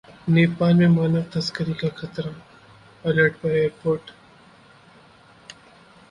नेपाल में मानव तस्करी का खतरा, अलर्ट पर एयरपोर्ट